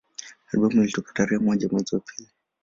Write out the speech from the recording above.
Albamu ilitoka tarehe moja mwezi wa pili